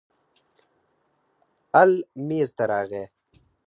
ال میز ته راغی.